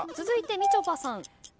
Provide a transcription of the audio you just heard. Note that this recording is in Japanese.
続いてみちょぱさん。